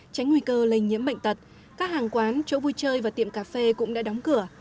tránh nguy cơ lây nhiễm bệnh tật các hàng quán chỗ vui chơi và tiệm cà phê cũng đã đóng cửa